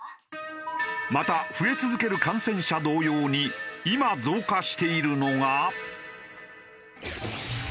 また増え続ける感染者同様に今増加しているのが。